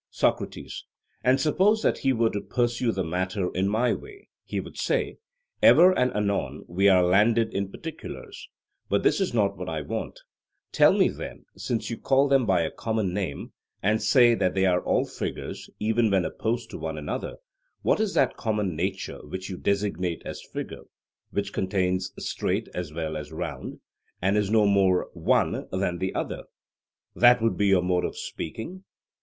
SOCRATES: And suppose that he were to pursue the matter in my way, he would say: Ever and anon we are landed in particulars, but this is not what I want; tell me then, since you call them by a common name, and say that they are all figures, even when opposed to one another, what is that common nature which you designate as figure which contains straight as well as round, and is no more one than the other that would be your mode of speaking?